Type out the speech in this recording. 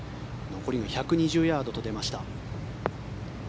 残りが１２０ヤードと出ました。